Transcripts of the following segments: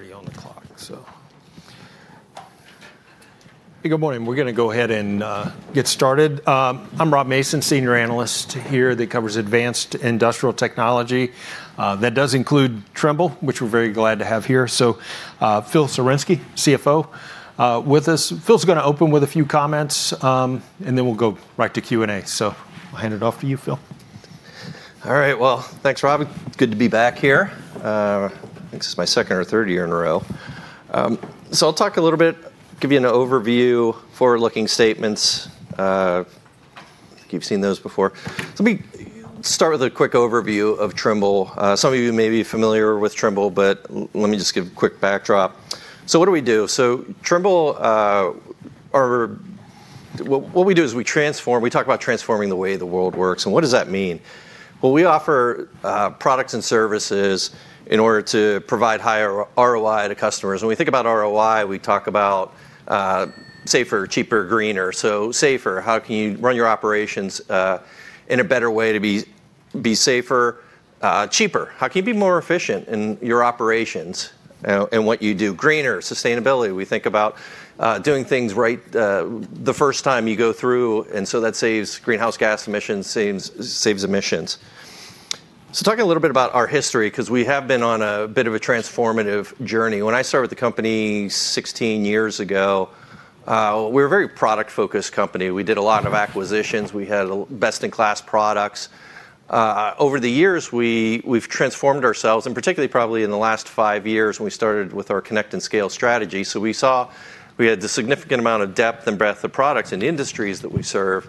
Already on the clock, so. Hey, good morning. We're going to go ahead and get started. I'm Rob Mason, Senior Analyst here that covers advanced industrial technology. That does include Trimble, which we're very glad to have here. Phil Sawarynski, CFO, with us. Phil's going to open with a few comments, and then we'll go right to Q&A. I'll hand it off to you, Phil. All right. Thanks, Rob. Good to be back here. This is my second or third year in a row. I'll talk a little bit, give you an overview, forward-looking statements. You've seen those before. Let me start with a quick overview of Trimble. Some of you may be familiar with Trimble, but let me just give a quick backdrop. What do we do? Trimble, what we do is we transform. We talk about transforming the way the world works. What does that mean? We offer products and services in order to provide higher ROI to customers. When we think about ROI, we talk about safer, cheaper, greener. Safer, how can you run your operations in a better way to be safer? Cheaper, how can you be more efficient in your operations and what you do? Greener sustainability. We think about doing things right the first time you go through. That saves greenhouse gas emissions, saves emissions. Talking a little bit about our history, because we have been on a bit of a transformative journey. When I started the company 16 years ago, we were a very product-focused company. We did a lot of acquisitions. We had best-in-class products. Over the years, we have transformed ourselves, and particularly probably in the last five years when we started with our Connect and Scale strategy. We saw we had the significant amount of depth and breadth of products and industries that we serve.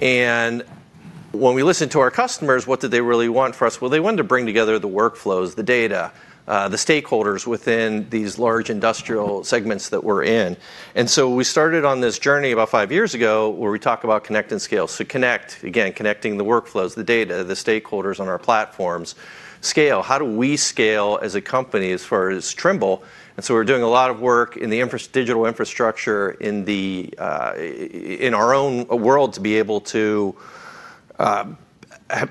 When we listened to our customers, what did they really want from us? They wanted to bring together the workflows, the data, the stakeholders within these large industrial segments that we are in. We started on this journey about five years ago where we talk about connect and scale. Connect, again, connecting the workflows, the data, the stakeholders on our platforms. Scale, how do we scale as a company as far as Trimble? We are doing a lot of work in the digital infrastructure in our own world to be able to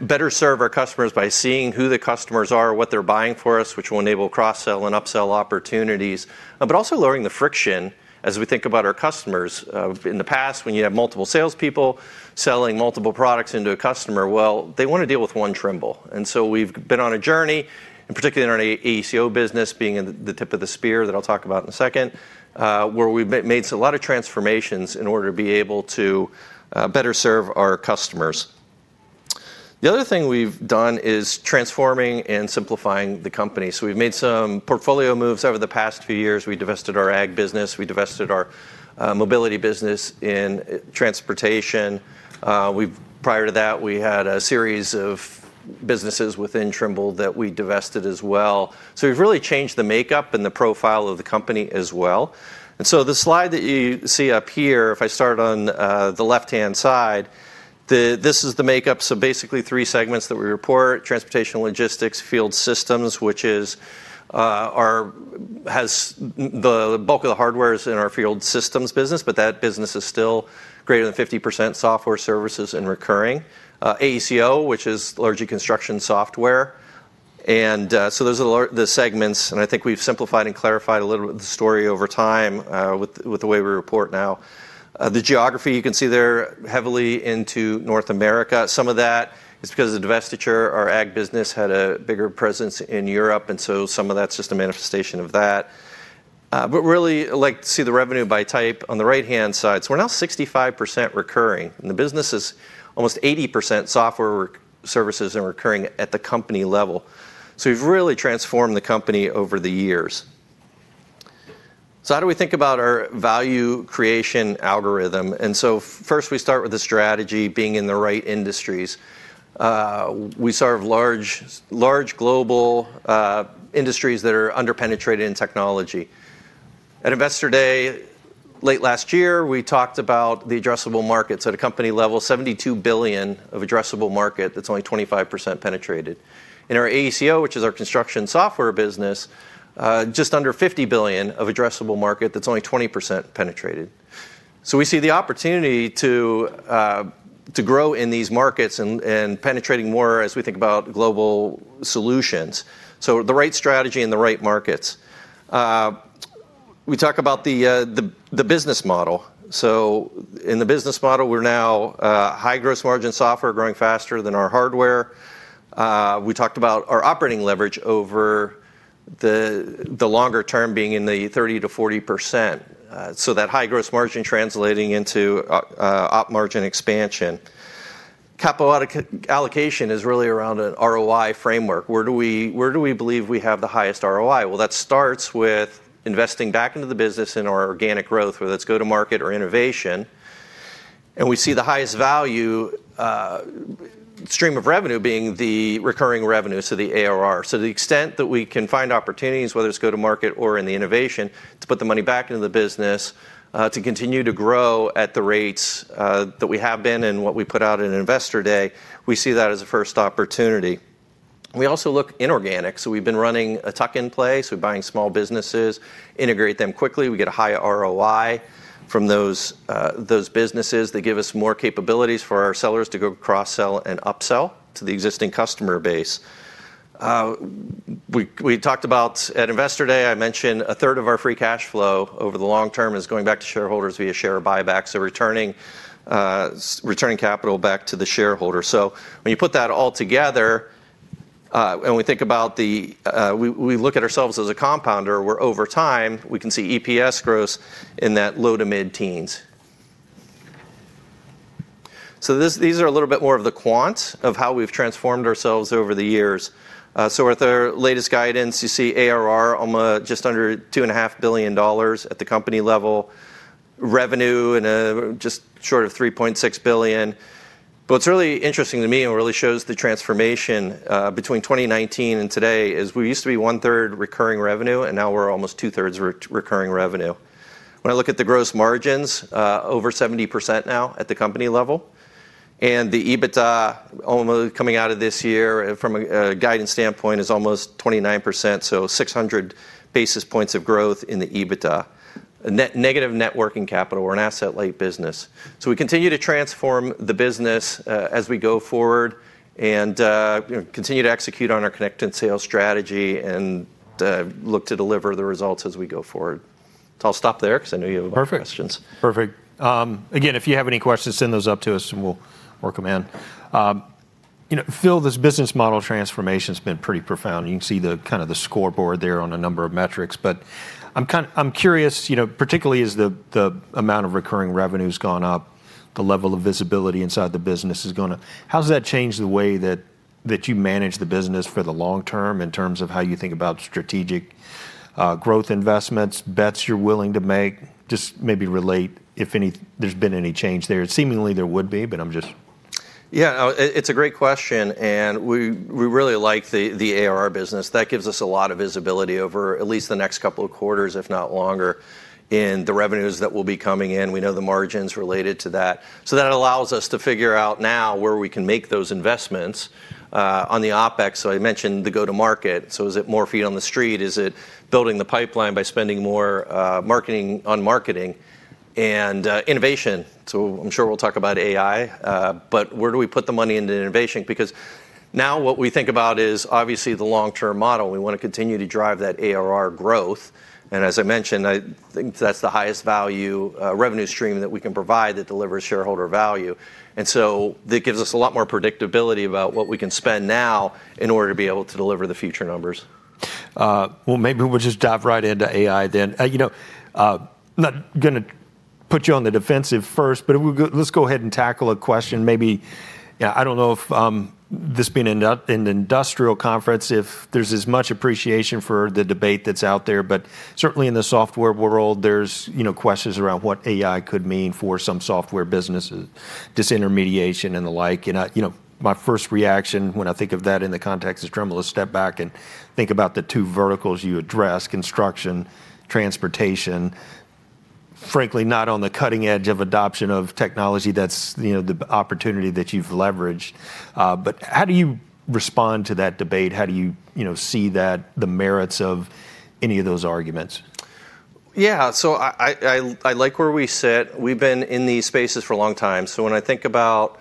better serve our customers by seeing who the customers are, what they are buying from us, which will enable cross-sell and up-sell opportunities, but also lowering the friction as we think about our customers. In the past, when you have multiple salespeople selling multiple products into a customer, they want to deal with one Trimble. We've been on a journey, and particularly in our AECO business, being at the tip of the spear that I'll talk about in a second, where we've made a lot of transformations in order to be able to better serve our customers. The other thing we've done is transforming and simplifying the company. We've made some portfolio moves over the past few years. We divested our ag business. We divested our mobility business in transportation. Prior to that, we had a series of businesses within Trimble that we divested as well. We've really changed the makeup and the profile of the company as well. The slide that you see up here, if I start on the left-hand side, this is the makeup. Basically three segments that we report: transportation, logistics, field systems, which has the bulk of the hardware is in our field systems business, but that business is still greater than 50% software services and recurring. AECO, which is largely construction software. Those are the segments. I think we've simplified and clarified a little bit of the story over time with the way we report now. The geography you can see there heavily into North America. Some of that is because of the divestiture. Our ag business had a bigger presence in Europe. Some of that's just a manifestation of that. I really like to see the revenue by type on the right-hand side. We're now 65% recurring. The business is almost 80% software services and recurring at the company level. We've really transformed the company over the years. How do we think about our value creation algorithm? First, we start with the strategy being in the right industries. We serve large global industries that are under-penetrated in technology. At Investor Day, late last year, we talked about the addressable markets at a company level, $72 billion of addressable market that's only 25% penetrated. In our AECO, which is our construction software business, just under $50 billion of addressable market that's only 20% penetrated. We see the opportunity to grow in these markets and penetrating more as we think about global solutions. The right strategy in the right markets. We talk about the business model. In the business model, we're now high gross margin software growing faster than our hardware. We talked about our operating leverage over the longer term being in the 30%-40%. That high gross margin translating into op margin expansion. Capital allocation is really around an ROI framework. Where do we believe we have the highest ROI? That starts with investing back into the business in our organic growth, whether it's go to market or innovation. We see the highest value stream of revenue being the recurring revenue, so the ARR. To the extent that we can find opportunities, whether it's go to market or in the innovation, to put the money back into the business to continue to grow at the rates that we have been and what we put out at Investor Day, we see that as a first opportunity. We also look inorganic. We've been running a tuck-in play. We're buying small businesses, integrate them quickly. We get a high ROI from those businesses. They give us more capabilities for our sellers to go cross-sell and up-sell to the existing customer base. We talked about at Investor Day, I mentioned a third of our free cash flow over the long term is going back to shareholders via share buyback, so returning capital back to the shareholder. When you put that all together, and we think about the we look at ourselves as a compounder where over time we can see EPS growth in that low to mid teens. These are a little bit more of the quants of how we've transformed ourselves over the years. With our latest guidance, you see ARR almost just under $2.5 billion at the company level. Revenue in just short of $3.6 billion. What's really interesting to me and really shows the transformation between 2019 and today is we used to be one-third recurring revenue, and now we're almost two-thirds recurring revenue. When I look at the gross margins, over 70% now at the company level. The EBITDA almost coming out of this year from a guidance standpoint is almost 29%, so 600 basis points of growth in the EBITDA. Negative networking capital or an asset-light business. We continue to transform the business as we go forward and continue to execute on our connect and scale strategy and look to deliver the results as we go forward. I'll stop there because I know you have questions. Perfect. Again, if you have any questions, send those up to us and we'll work them in. Phil, this business model transformation has been pretty profound. You can see the kind of the scoreboard there on a number of metrics. I'm curious, particularly as the amount of recurring revenue has gone up, the level of visibility inside the business is going to—how's that changed the way that you manage the business for the long term in terms of how you think about strategic growth investments, bets you're willing to make? Just maybe relate if there's been any change there. Seemingly there would be, but I'm just. Yeah, it's a great question. We really like the ARR business. That gives us a lot of visibility over at least the next couple of quarters, if not longer, in the revenues that will be coming in. We know the margins related to that. That allows us to figure out now where we can make those investments on the OpEx. I mentioned the go-to-market. Is it more feet on the street? Is it building the pipeline by spending more on marketing and innovation? I'm sure we'll talk about AI, but where do we put the money into innovation? Now what we think about is obviously the long-term model. We want to continue to drive that ARR growth. As I mentioned, I think that's the highest value revenue stream that we can provide that delivers shareholder value. That gives us a lot more predictability about what we can spend now in order to be able to deliver the future numbers. Maybe we'll just dive right into AI then. Not going to put you on the defensive first, but let's go ahead and tackle a question. Maybe I don't know if this being an industrial conference, if there's as much appreciation for the debate that's out there. Certainly in the software world, there's questions around what AI could mean for some software businesses, disintermediation and the like. My first reaction when I think of that in the context of Trimble is step back and think about the two verticals you address, construction, transportation. Frankly, not on the cutting edge of adoption of technology, that's the opportunity that you've leveraged. How do you respond to that debate? How do you see the merits of any of those arguments? Yeah, so I like where we sit. We've been in these spaces for a long time. When I think about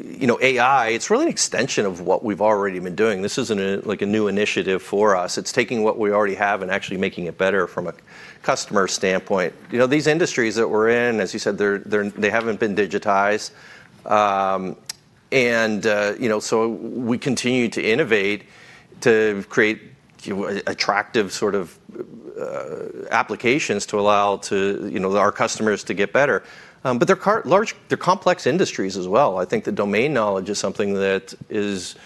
AI, it's really an extension of what we've already been doing. This isn't like a new initiative for us. It's taking what we already have and actually making it better from a customer standpoint. These industries that we're in, as you said, they haven't been digitized. We continue to innovate to create attractive sort of applications to allow our customers to get better. They're complex industries as well. I think the domain knowledge is something that is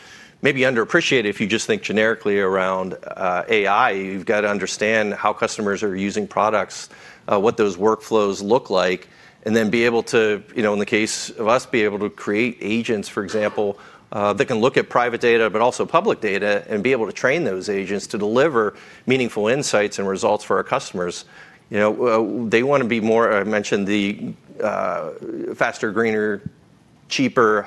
maybe underappreciated if you just think generically around AI. You've got to understand how customers are using products, what those workflows look like, and then be able to, in the case of us, be able to create agents, for example, that can look at private data, but also public data, and be able to train those agents to deliver meaningful insights and results for our customers. They want to be more, I mentioned, the faster, greener, cheaper,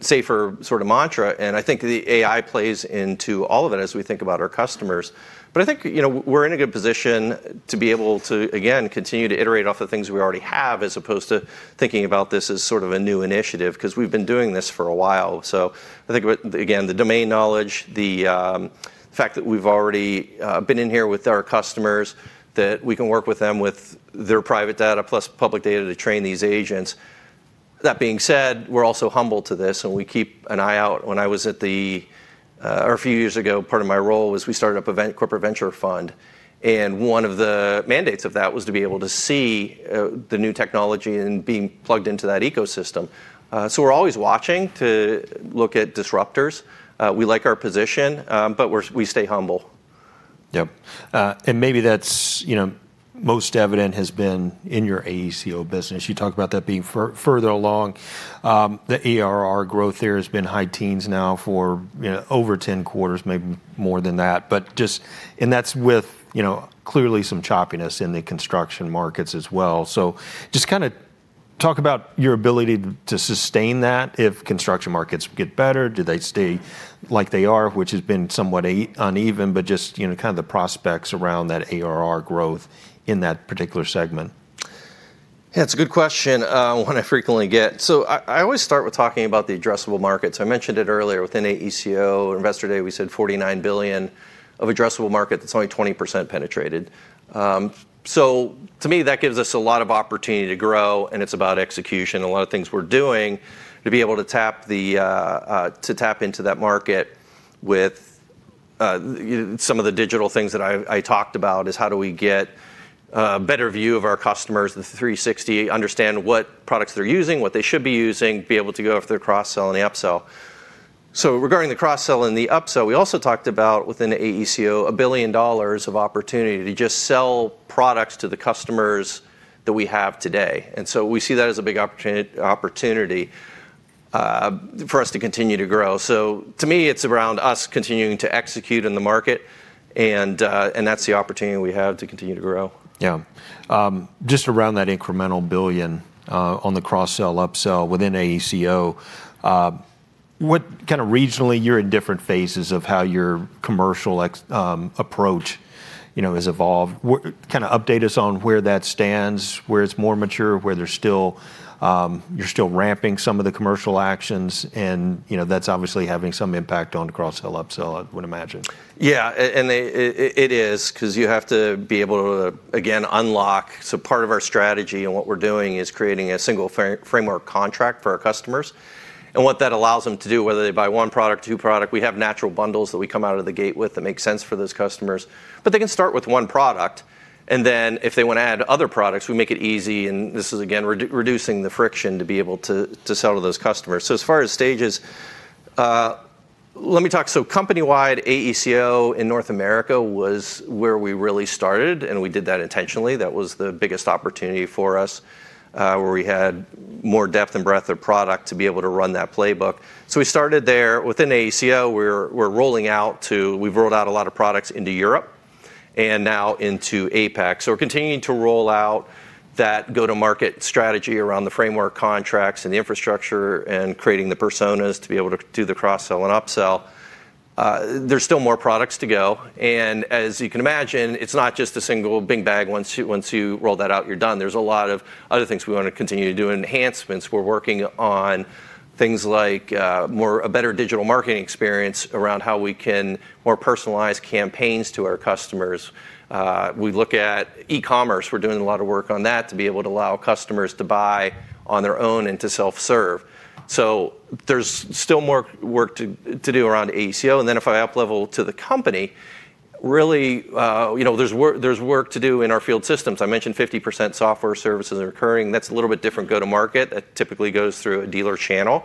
safer sort of mantra. I think the AI plays into all of it as we think about our customers. I think we're in a good position to be able to, again, continue to iterate off the things we already have as opposed to thinking about this as sort of a new initiative because we've been doing this for a while. I think, again, the domain knowledge, the fact that we've already been in here with our customers, that we can work with them with their private data plus public data to train these agents. That being said, we're also humbled to this. We keep an eye out. When I was at the, or a few years ago, part of my role was we started up a corporate venture fund. One of the mandates of that was to be able to see the new technology and being plugged into that ecosystem. We're always watching to look at disruptors. We like our position, but we stay humble. Yep. Maybe that's most evident has been in your AECO business. You talk about that being further along. The ARR growth there has been high teens now for over 10 quarters, maybe more than that. That's with clearly some choppiness in the construction markets as well. Just kind of talk about your ability to sustain that if construction markets get better. Do they stay like they are, which has been somewhat uneven, but just kind of the prospects around that ARR growth in that particular segment? Yeah, it's a good question. One I frequently get. I always start with talking about the addressable markets. I mentioned it earlier within AECO, Investor Day, we said $49 billion of addressable market that's only 20% penetrated. To me, that gives us a lot of opportunity to grow, and it's about execution. A lot of things we're doing to be able to tap into that market with some of the digital things that I talked about is how do we get a better view of our customers, the 360°, understand what products they're using, what they should be using, be able to go after the cross-sell and the up-sell. Regarding the cross-sell and the up-sell, we also talked about within AECO, $1 billion of opportunity to just sell products to the customers that we have today. We see that as a big opportunity for us to continue to grow. To me, it's around us continuing to execute in the market, and that's the opportunity we have to continue to grow. Yeah. Just around that incremental $1 billion on the cross-sell, up-sell within AECO, what kind of regionally you're in different phases of how your commercial approach has evolved. Kind of update us on where that stands, where it's more mature, where you're still ramping some of the commercial actions, and that's obviously having some impact on the cross-sell, up-sell, I would imagine. Yeah, and it is because you have to be able to, again, unlock. Part of our strategy and what we're doing is creating a single framework contract for our customers. What that allows them to do, whether they buy one product or two products, we have natural bundles that we come out of the gate with that make sense for those customers. They can start with one product. If they want to add other products, we make it easy. This is, again, reducing the friction to be able to sell to those customers. As far as stages, let me talk. Company-wide, AECO in North America was where we really started, and we did that intentionally. That was the biggest opportunity for us where we had more depth and breadth of product to be able to run that playbook. We started there. Within AECO, we're rolling out to we've rolled out a lot of products into Europe and now into APEX. We're continuing to roll out that go-to-market strategy around the framework contracts and the infrastructure and creating the personas to be able to do the cross-sell and up-sell. There's still more products to go. As you can imagine, it's not just a single big bag. Once you roll that out, you're done. There's a lot of other things we want to continue to do, enhancements. We're working on things like a better digital marketing experience around how we can more personalize campaigns to our customers. We look at e-commerce. We're doing a lot of work on that to be able to allow customers to buy on their own and to self-serve. There's still more work to do around AECO. If I up-level to the company, really there's work to do in our field systems. I mentioned 50% software services are recurring. That's a little bit different go-to-market that typically goes through a dealer channel.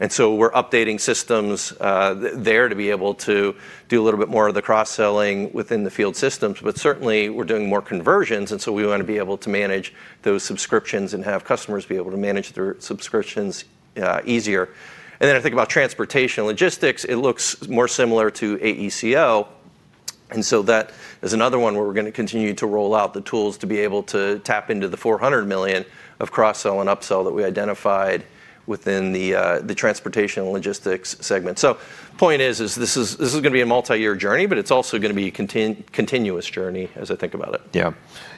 We are updating systems there to be able to do a little bit more of the cross-selling within the field systems. Certainly, we are doing more conversions. We want to be able to manage those subscriptions and have customers be able to manage their subscriptions easier. I think about transportation logistics. It looks more similar to AECO. That is another one where we are going to continue to roll out the tools to be able to tap into the $400 million of cross-sell and up-sell that we identified within the transportation logistics segment. The point is, this is going to be a multi-year journey, but it's also going to be a continuous journey as I think about it. Yeah.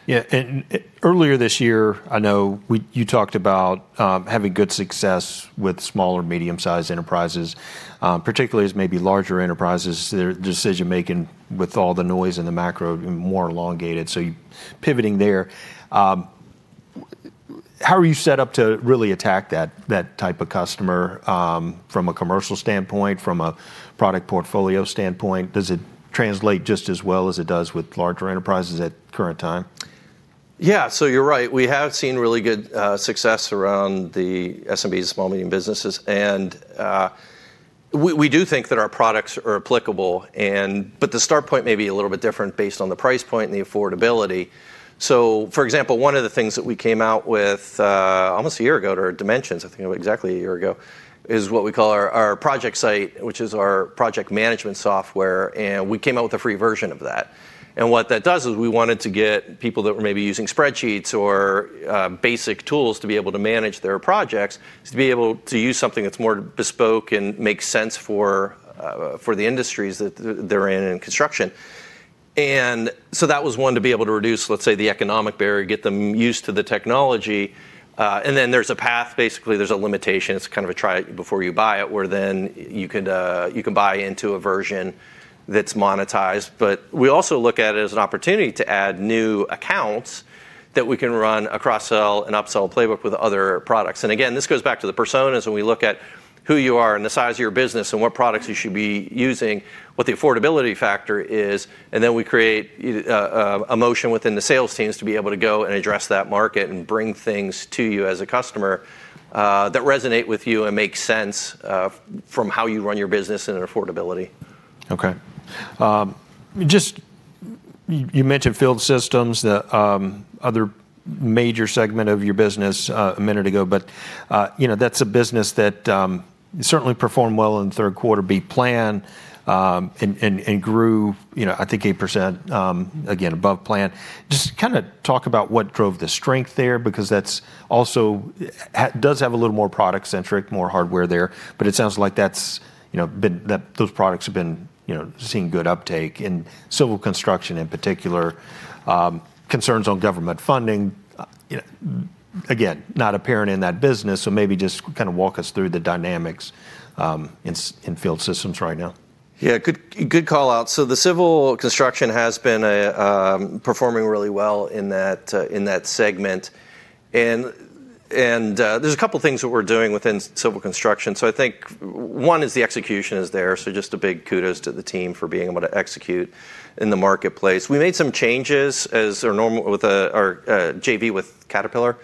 Yeah. Earlier this year, I know you talked about having good success with small or medium-sized enterprises, particularly as maybe larger enterprises, their decision-making with all the noise and the macro more elongated. Pivoting there, how are you set up to really attack that type of customer from a commercial standpoint, from a product portfolio standpoint? Does it translate just as well as it does with larger enterprises at current time? Yeah, so you're right. We have seen really good success around the SMBs, small, medium businesses. We do think that our products are applicable. The start point may be a little bit different based on the price point and the affordability. For example, one of the things that we came out with almost a year ago at our Dimensions, I think it was exactly a year ago, is what we call our ProjectSight, which is our project management software. We came out with a free version of that. What that does is we wanted to get people that were maybe using spreadsheets or basic tools to be able to manage their projects to be able to use something that's more bespoke and makes sense for the industries that they're in and construction. That was one to be able to reduce, let's say, the economic barrier, get them used to the technology. There is a path. Basically, there is a limitation. It is kind of a try it before you buy it, where you can buy into a version that is monetized. We also look at it as an opportunity to add new accounts that we can run a cross-sell and up-sell playbook with other products. This goes back to the personas. When we look at who you are and the size of your business and what products you should be using, what the affordability factor is, we create a motion within the sales teams to be able to go and address that market and bring things to you as a customer that resonate with you and make sense from how you run your business and affordability. Okay. Just you mentioned field systems, the other major segment of your business a minute ago, but that's a business that certainly performed well in the third quarter, beat plan and grew, I think, 8%, again, above plan. Just kind of talk about what drove the strength there, because that also does have a little more product-centric, more hardware there. But it sounds like those products have been seeing good uptake in civil construction in particular, concerns on government funding, again, not apparent in that business. Maybe just kind of walk us through the dynamics in field systems right now. Yeah, good call out. The civil construction has been performing really well in that segment. There's a couple of things that we're doing within civil construction. I think one is the execution is there. Just a big kudos to the team for being able to execute in the marketplace. We made some changes as are normal with our JV with Caterpillar.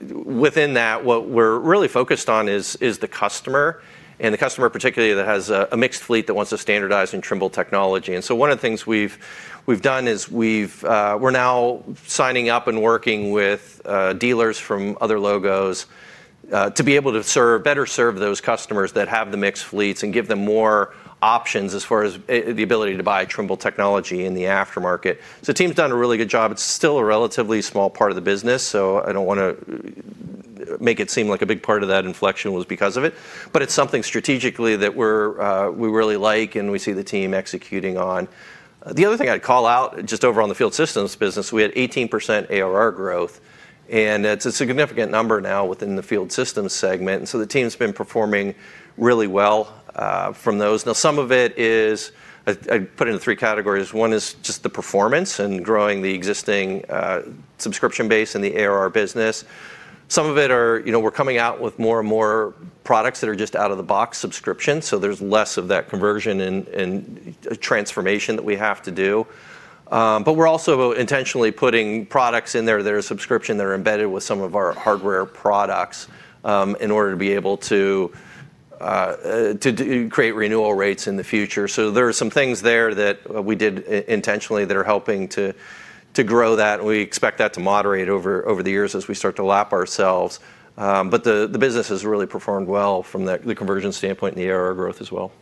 Within that, what we're really focused on is the customer, and the customer particularly that has a mixed fleet that wants to standardize in Trimble Technology. One of the things we've done is we're now signing up and working with dealers from other logos to be able to better serve those customers that have the mixed fleets and give them more options as far as the ability to buy Trimble Technology in the aftermarket. The team's done a really good job. It's still a relatively small part of the business. I don't want to make it seem like a big part of that inflection was because of it. It's something strategically that we really like and we see the team executing on. The other thing I'd call out just over on the field systems business, we had 18% ARR growth. It's a significant number now within the field systems segment. The team's been performing really well from those. Some of it is I put it into three categories. One is just the performance and growing the existing subscription base in the ARR business. Some of it is we're coming out with more and more products that are just out-of-the-box subscriptions. There's less of that conversion and transformation that we have to do. We are also intentionally putting products in there that are subscription that are embedded with some of our hardware products in order to be able to create renewal rates in the future. There are some things there that we did intentionally that are helping to grow that. We expect that to moderate over the years as we start to lap ourselves. The business has really performed well from the conversion standpoint and the ARR growth as well.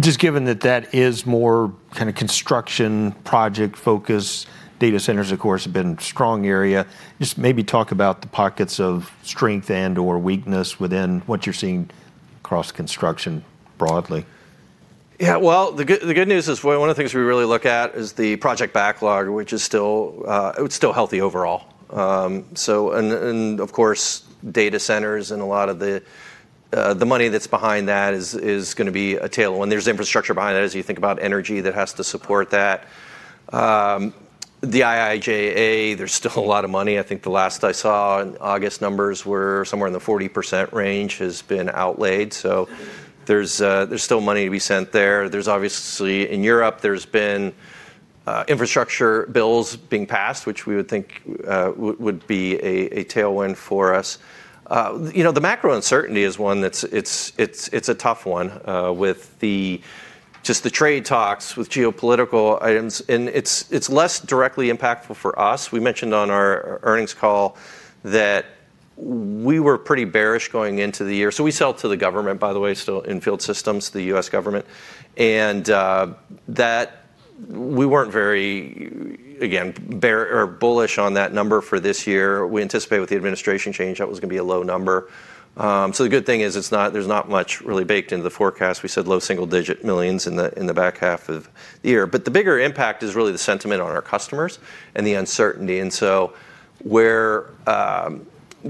Just given that that is more kind of construction project-focused, data centers, of course, have been a strong area, just maybe talk about the pockets of strength and/or weakness within what you're seeing across construction broadly. Yeah, the good news is one of the things we really look at is the project backlog, which is still healthy overall. Of course, data centers and a lot of the money that's behind that is going to be a tailwind. There's infrastructure behind that as you think about energy that has to support that. The IIJA, there's still a lot of money. I think the last I saw in August numbers were somewhere in the 40% range has been outlaid. There's still money to be spent there. Obviously in Europe, there's been infrastructure bills being passed, which we would think would be a tailwind for us. The macro uncertainty is one that's a tough one with just the trade talks with geopolitical items. It's less directly impactful for us. We mentioned on our earnings call that we were pretty bearish going into the year. We sell to the government, by the way, still in field systems, the U.S. government. We were not very, again, bearish or bullish on that number for this year. We anticipate with the administration change that was going to be a low number. The good thing is there is not much really baked into the forecast. We said low single-digit millions in the back half of the year. The bigger impact is really the sentiment on our customers and the uncertainty.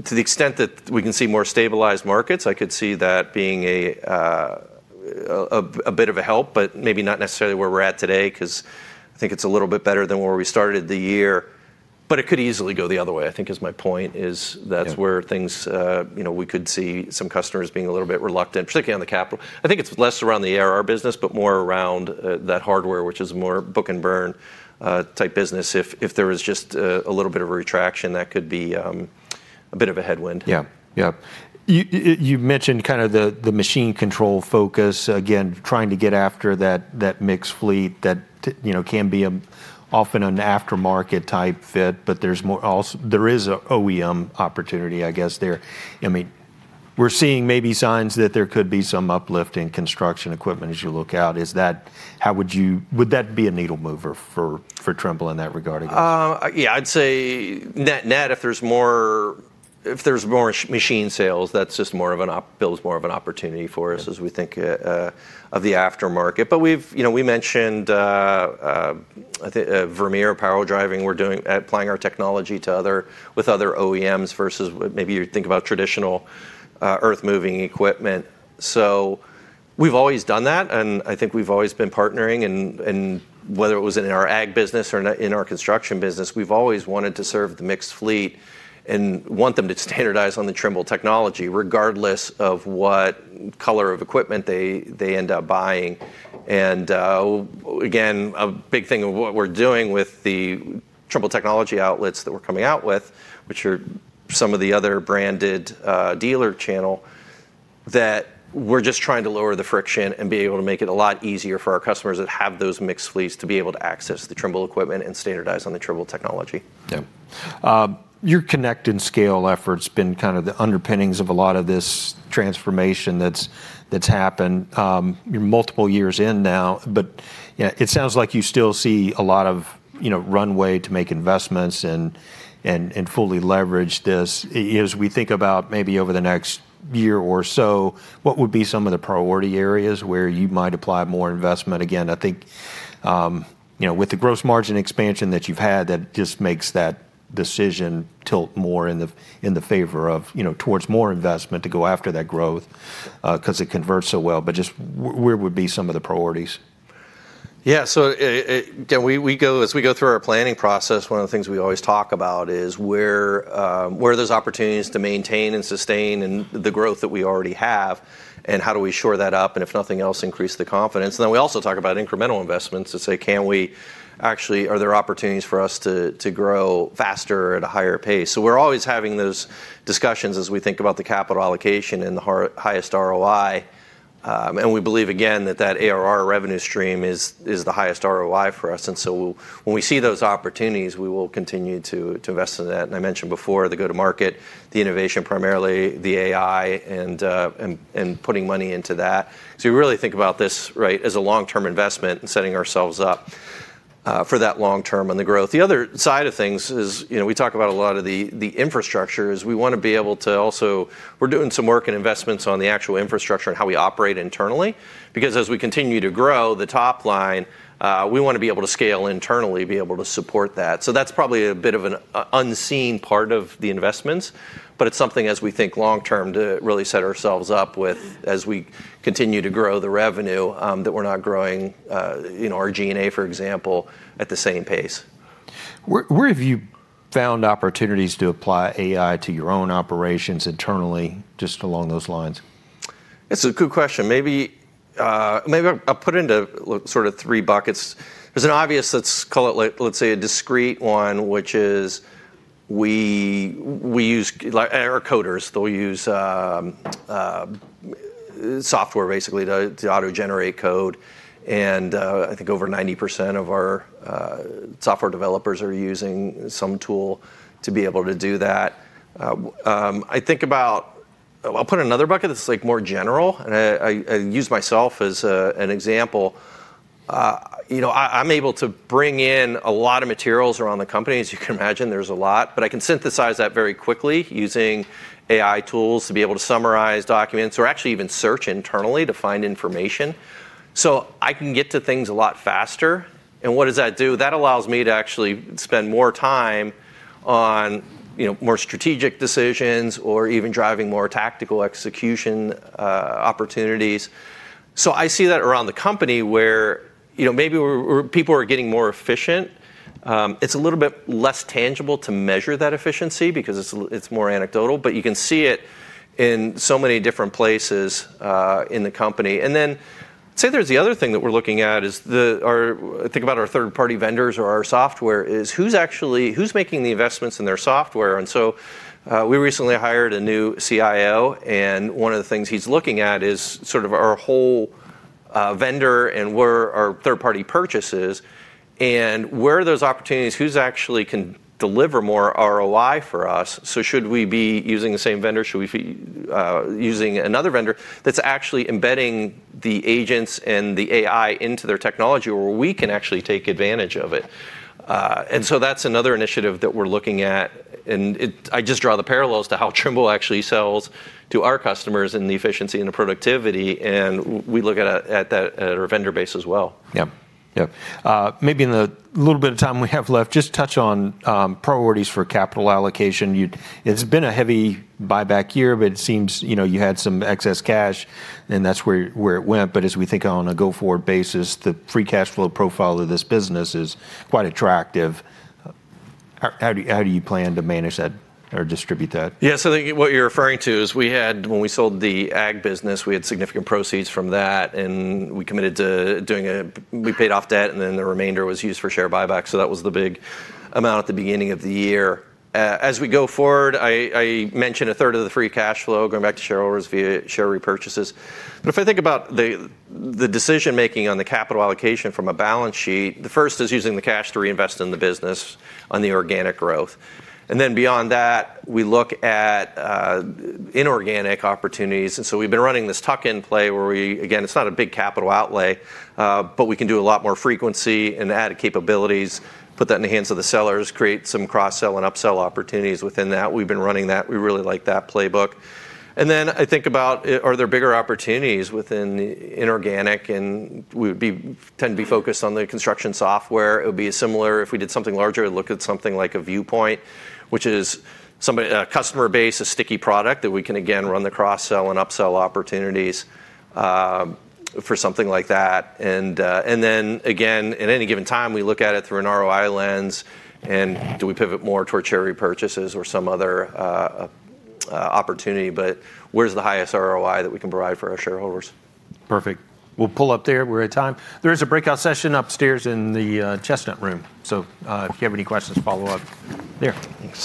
To the extent that we can see more stabilized markets, I could see that being a bit of a help, but maybe not necessarily where we are at today because I think it is a little bit better than where we started the year. It could easily go the other way, I think is my point, is that's where things we could see some customers being a little bit reluctant, particularly on the capital. I think it's less around the ARR business, but more around that hardware, which is more book and burn type business. If there was just a little bit of a retraction, that could be a bit of a headwind. Yeah, yeah. You mentioned kind of the machine control focus, again, trying to get after that mixed fleet that can be often an aftermarket type fit. But there is an OEM opportunity, I guess, there. I mean, we're seeing maybe signs that there could be some uplift in construction equipment as you look out. Is that how you would, would that be a needle mover for Trimble in that regard? Yeah, I'd say net net, if there's more machine sales, that's just more of an opportunity for us as we think of the aftermarket. We mentioned, I think, Vermeer power driving. We're applying our technology with other OEMs versus maybe you think about traditional earth-moving equipment. We've always done that. I think we've always been partnering. Whether it was in our ag business or in our construction business, we've always wanted to serve the mixed fleet and want them to standardize on the Trimble Technology, regardless of what color of equipment they end up buying. A big thing of what we're doing with the Trimble Technology outlets that we're coming out with, which are some of the other branded dealer channel, that we're just trying to lower the friction and be able to make it a lot easier for our customers that have those mixed fleets to be able to access the Trimble equipment and standardize on the Trimble Technology. Yeah. Your Connect and Scale efforts have been kind of the underpinnings of a lot of this transformation that's happened. You're multiple years in now. It sounds like you still see a lot of runway to make investments and fully leverage this. As we think about maybe over the next year or so, what would be some of the priority areas where you might apply more investment? I think with the gross margin expansion that you've had, that just makes that decision tilt more in the favor of towards more investment to go after that growth because it converts so well. Just where would be some of the priorities? Yeah. As we go through our planning process, one of the things we always talk about is where there's opportunities to maintain and sustain the growth that we already have and how do we shore that up. If nothing else, increase the confidence. We also talk about incremental investments to say, can we actually, are there opportunities for us to grow faster at a higher pace? We're always having those discussions as we think about the capital allocation and the highest ROI. We believe, again, that that ARR revenue stream is the highest ROI for us. When we see those opportunities, we will continue to invest in that. I mentioned before the go-to-market, the innovation, primarily the AI and putting money into that. We really think about this as a long-term investment and setting ourselves up for that long-term and the growth. The other side of things is we talk about a lot of the infrastructure is we want to be able to also, we're doing some work and investments on the actual infrastructure and how we operate internally. Because as we continue to grow the top line, we want to be able to scale internally, be able to support that. That's probably a bit of an unseen part of the investments. It's something, as we think long-term, to really set ourselves up with as we continue to grow the revenue that we're not growing our G&A, for example, at the same pace. Where have you found opportunities to apply AI to your own operations internally, just along those lines? That's a good question. Maybe I'll put it into sort of three buckets. There's an obvious, let's call it, let's say, a discrete one, which is we use our coders. They'll use software, basically, to auto-generate code. And I think over 90% of our software developers are using some tool to be able to do that. I think about, I'll put in another bucket that's more general. And I use myself as an example. I'm able to bring in a lot of materials around the company. As you can imagine, there's a lot. But I can synthesize that very quickly using AI tools to be able to summarize documents or actually even search internally to find information. So I can get to things a lot faster. And what does that do? That allows me to actually spend more time on more strategic decisions or even driving more tactical execution opportunities. I see that around the company where maybe people are getting more efficient. It's a little bit less tangible to measure that efficiency because it's more anecdotal. You can see it in so many different places in the company. Then say there's the other thing that we're looking at is I think about our third-party vendors or our software is who's making the investments in their software. We recently hired a new CIO. One of the things he's looking at is sort of our whole vendor and where our third-party purchase is. Where are those opportunities? Who actually can deliver more ROI for us? Should we be using the same vendor? Should we be using another vendor that's actually embedding the agents and the AI into their technology where we can actually take advantage of it? That is another initiative that we are looking at. I just draw the parallels to how Trimble actually sells to our customers in the efficiency and the productivity. We look at that at our vendor base as well. Yeah, yeah. Maybe in the little bit of time we have left, just touch on priorities for capital allocation. It's been a heavy buyback year, but it seems you had some excess cash, and that's where it went. As we think on a go-forward basis, the free cash flow profile of this business is quite attractive. How do you plan to manage that or distribute that? Yeah, so I think what you're referring to is we had when we sold the ag business, we had significant proceeds from that. We committed to doing a we paid off debt, and then the remainder was used for share buyback. That was the big amount at the beginning of the year. As we go forward, I mentioned 1/3 of the free cash flow going back to shareholders via share repurchases. If I think about the decision-making on the capital allocation from a balance sheet, the first is using the cash to reinvest in the business on the organic growth. Beyond that, we look at inorganic opportunities. We have been running this tuck-in play where we, again, it is not a big capital outlay, but we can do a lot more frequency and added capabilities, put that in the hands of the sellers, create some cross-sell and upsell opportunities within that. We have been running that. We really like that playbook. I think about, are there bigger opportunities within the inorganic? We would tend to be focused on the construction software. It would be similar if we did something larger. It would look at something like Viewpoint, which is somebody, a customer base, a sticky product that we can, again, run the cross-sell and upsell opportunities for something like that. At any given time, we look at it through an ROI lens. Do we pivot more toward share repurchases or some other opportunity? Where's the highest ROI that we can provide for our shareholders? Perfect. We'll pull up there. We're at time. There is a breakout session upstairs in the Chestnut Room. So if you have any questions, follow up there.